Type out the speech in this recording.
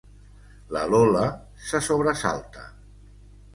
La Lola se sobresalta.